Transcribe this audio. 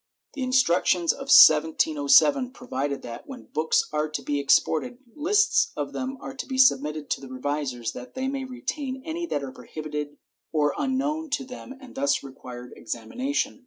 * The instructions of 1707 provide that, when books are to be exported, fists of them are to be submitted to the revisers that they may retain any that are prohibited or are unknown to them and thus require examination.